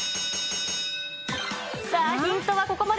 さあ、ヒントはここまで。